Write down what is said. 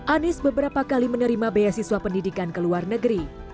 anies beberapa kali menerima beasiswa pendidikan ke luar negeri